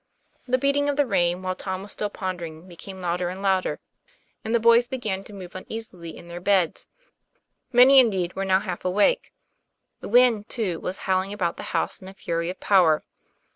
The beating of the rain, while Tom was still pon dering, became louder and louder, and the boys be gan to move uneasily in their beds; many, indeed, were now half awake. The wind, too, was howling about the house in a fury of power.